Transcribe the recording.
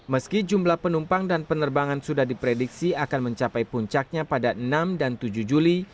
meski jumlah penumpang dan penerbangan sudah diprediksi akan mencapai puncaknya pada enam dan tujuh juli